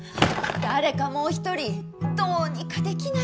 誰かもう一人どうにかできないんですか？